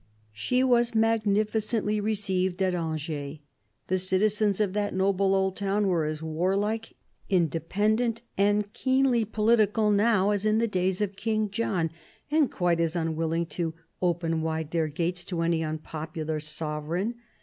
She was magnificently received at Angers. The citizens of that noble old town were as warlike, independent and keenly political now as in the days of King John, and quite as unwilling to " open wide their gates " to any unpopular sovereign.